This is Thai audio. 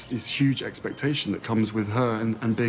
เธอเจอกล้างไหน